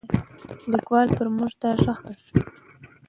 لیکوال پر موږ دا غږ کړی دی.